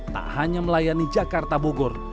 tak hanya melayani jakarta bogor